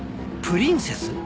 プリンセス？